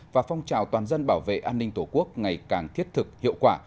và phong trào toàn dân bảo vệ an ninh tổ quốc ngày càng thiết thực hiệu quả